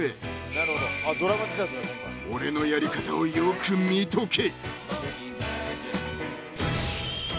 ［俺のやり方をよく見とけ］